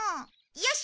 よし。